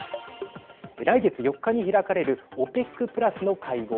来月４日に開かれるＯＰＥＣプラスの会合。